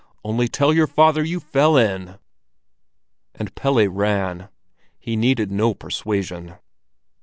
Only tell your father you fell in!" And Pelle ran. He needed no persuasion.